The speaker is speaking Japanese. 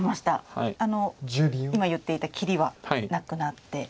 あの今言っていた切りはなくなって。